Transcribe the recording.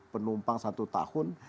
penumpang satu tahun